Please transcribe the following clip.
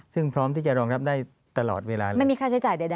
ซึ่งพร้อมที่จะรองรับได้ตลอดเวลาเลย